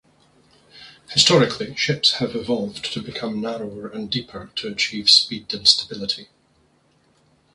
Historically, ships have evolved to become narrower and deeper to achieve speed and stability.